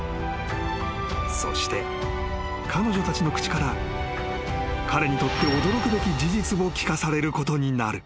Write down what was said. ［そして彼女たちの口から彼にとって驚くべき事実を聞かされることになる］